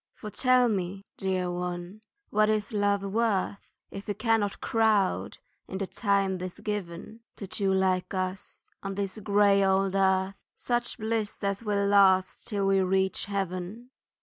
For tell me, dear one, what is love worth If it cannot crowd in the time 'tis given To two like us, on this grey old earth, Such bliss as will last till we reach heaven?